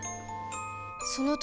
その時